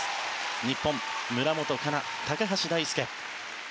日本、村元哉中・高橋大輔。